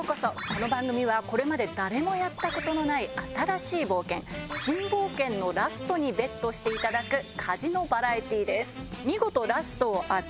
この番組はこれまで誰もやったことのない新しい冒険新冒険のラストにＢＥＴしていただくカジノバラエティーです。